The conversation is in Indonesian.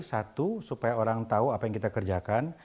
satu supaya orang tahu apa yang kita kerjakan